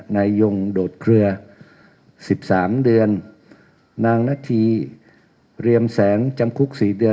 นายยงโดดเคลือสิบสามเดือนนางนาธีเรียมแสงจำคุกสี่เดือน